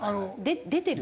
出てる？